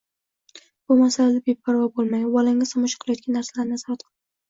Bu masalada beparvo bo‘lmang va bolangiz tomosha qilayotgan narsalarni nazorat qiling.